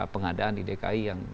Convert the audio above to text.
pengadaan di dki yang